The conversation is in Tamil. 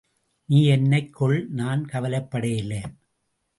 நீ என்னைக் கொல் நான் கவலைப்படலே.